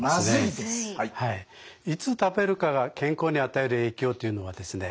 いつ食べるかが健康に与える影響というのはですね